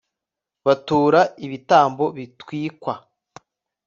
batura ibitambo bitwikwa